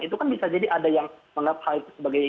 itu kan bisa jadi ada yang menganggap hal itu sebagai